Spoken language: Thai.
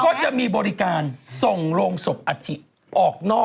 ก็จะมีบริการส่งโรงศพอัฐิออกนอก